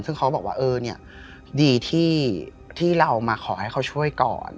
ซึ่งเขาก็บอกว่าเออเนี่ยดีที่เรามาขอให้เขาช่วยก่อน